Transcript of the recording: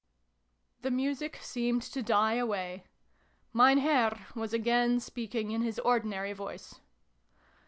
The music seemed to die away. Mein Herr was again speaking in his ordinary voice.